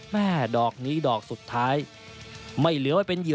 แม่ดอกนี้ดอกสุดท้าย